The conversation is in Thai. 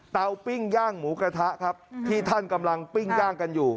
ปิ้งย่างหมูกระทะครับที่ท่านกำลังปิ้งย่างกันอยู่